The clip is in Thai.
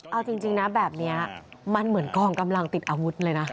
เอาจริงนะแบบนี้มันเหมือนกองกำลังติดอาวุธเลยนะ